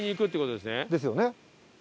ですよね。